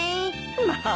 まあ。